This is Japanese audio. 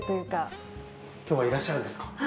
今日はいらっしゃるんですか？